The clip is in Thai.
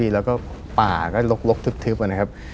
แล้วก็ป่าก็ลกทึบนะครับ